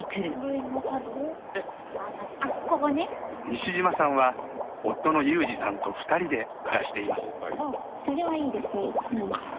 西島さんは夫の裕二さんと２人で暮らしています。